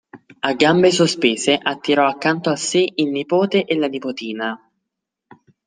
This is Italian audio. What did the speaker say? A gambe sospese, attirò accanto a sé il nipote e la nipotina.